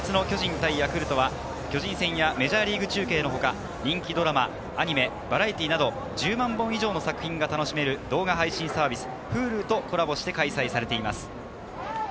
さて本日の巨人対ヤクルトは巨人戦やメジャーリーグ中継のほか、人気ドラマ、アニメ、バラエティーなど１０万本以上の作品が楽しめる動画配信サービスＨｕｌｕとコラボして開催されています。